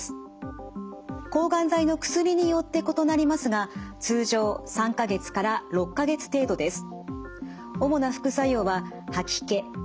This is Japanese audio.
抗がん剤の薬によって異なりますが通常３か月から６か月程度です。